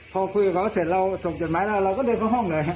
พอคุยกับเขาเสร็จเราส่งจดหมายแล้วเราก็เดินเข้าห้องเลย